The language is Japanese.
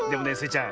ちゃん